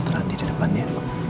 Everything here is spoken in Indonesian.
terhenti di depannya